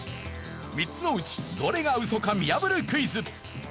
３つのうちどれがウソか見破るクイズ。